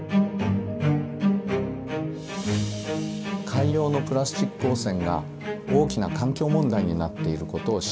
海洋のプラスチック汚染が大きな環境問題になっていることを知ってると思います。